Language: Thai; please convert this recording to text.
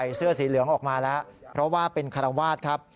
เสื้อสีเหลืองออกมาแล้วเพราะว่าเป็นคารวาสครับ